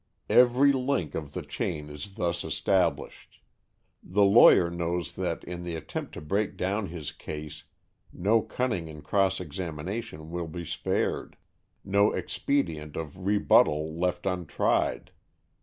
Every link of the chain is thus established. The lawyer knows that in the attempt to break down his case no cunning in cross examination will be spared, no expedient of rebuttal left untried.